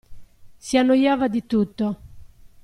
Si annoiava di tutto.